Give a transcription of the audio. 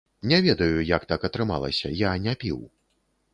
Не ведаю, як так атрымалася, я не піў.